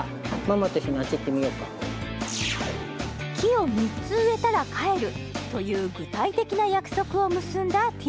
木を３つ植えたら帰るという具体的な約束を結んだてぃ